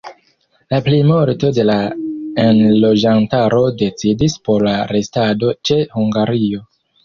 La plimulto de la enloĝantaro decidis por la restado ĉe Hungario.